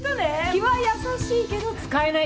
気は優しいけど使えない助手ね。